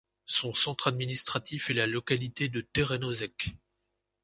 Son centre administratif est la localité de Terenozek.